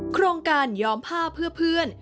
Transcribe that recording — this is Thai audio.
โครงการยอมผ้าเพื่อเพื่อน